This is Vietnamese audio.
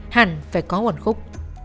hẳn phải có một khúc